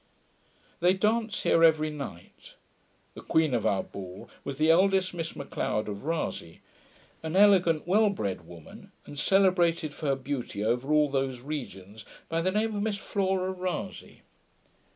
They dance here every night. The queen of our ball was the eldest Miss Macleod, of Rasay, an elegant well bred woman, and celebrated for her beauty over all those regions, by the name of Miss Flora Rasay.